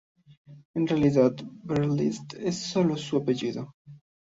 En realidad Berlitz es solo su apellido.